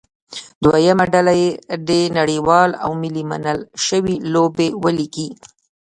دویمه ډله دې نړیوالې او ملي منل شوې لوبې ولیکي.